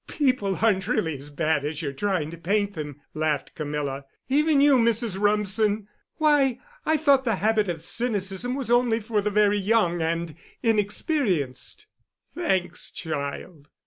"People aren't really as bad as you're trying to paint then," laughed Camilla. "Even you, Mrs. Rumsen! Why, I thought the habit of cynicism was only for the very young and inexperienced." "Thanks, child.